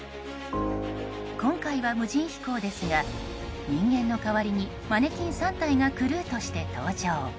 今回は無人飛行ですが人間の代わりにマネキン３体がクルーとして搭乗。